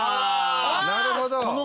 なるほど。